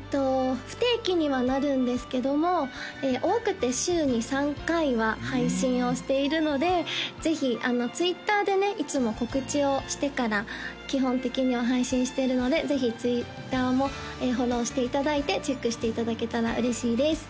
不定期にはなるんですけども多くて週に３回は配信をしているのでぜひＴｗｉｔｔｅｒでねいつも告知をしてから基本的には配信してるのでぜひＴｗｉｔｔｅｒもフォローしていただいてチェックしていただけたら嬉しいです